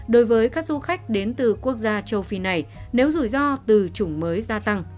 đối với các du khách đến từ quốc gia châu phi này nếu rủi ro từ chủng mới